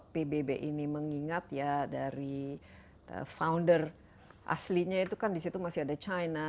pbb ini mengingat ya dari founder aslinya itu kan di situ masih ada china